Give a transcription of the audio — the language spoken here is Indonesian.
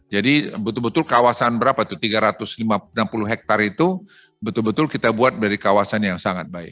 jadi betul betul kawasan berapa itu tiga ratus enam puluh hektare itu betul betul kita buat dari kawasan yang sangat baik